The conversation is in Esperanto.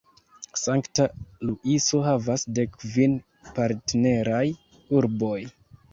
Sankta Luiso havas dek kvin partneraj urboj.